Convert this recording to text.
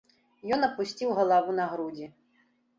Ён апусціў галаву на грудзі.